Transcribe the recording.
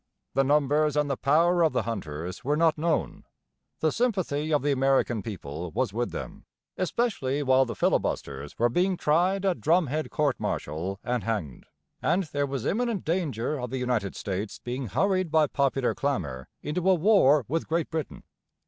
The numbers and the power of the 'Hunters' were not known; the sympathy of the American people was with them, especially while the filibusters were being tried at drum head court martial and hanged; and there was imminent danger of the United States being hurried by popular clamour into a war with Great Britain.